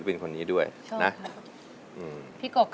กลับมาเมื่อเวลาที่สุดท้าย